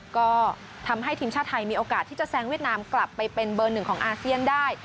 ก็ทำให้ทีมชาติไทยมีโอกาสที่จะแซงเวียดนามกลับไปเป็นเบอร์หนึ่งของอาเซียนได้